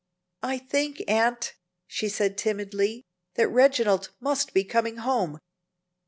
"I think, aunt," she said, timidly, "that Reginald must be coming home.